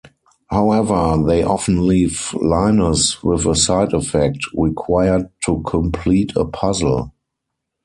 However, they often leave Linus with a side-effect, required to complete a puzzle.